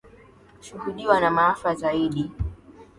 shuhudiwa na maafa zaidi